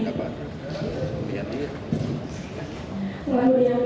lalu dia minta saya untuk mengakui